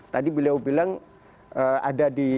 tadi beliau bilang ada di data itu ada di mana mana